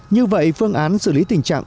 như vậy phương án xử lý tình trạng